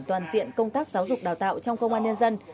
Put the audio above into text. toàn diện công tác giáo dục đào tạo trong công an nhân dân